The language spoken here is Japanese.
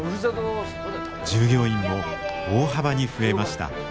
従業員も大幅に増えました。